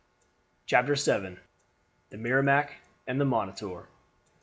CHAPTER VII. THE MERRIMAC AND THE MONITOR.